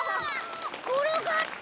ころがった！